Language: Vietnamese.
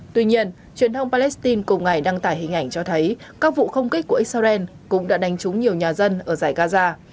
tuy nhiên truyền thông palestine cùng ngày đăng tải hình ảnh cho thấy các vụ không kích của israel cũng đã đánh trúng nhiều nhà dân ở giải gaza